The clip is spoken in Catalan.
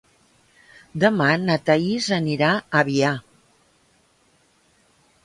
Demà na Thaís anirà a Avià.